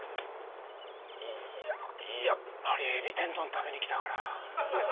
いややっぱりエビ天丼食べに来たから。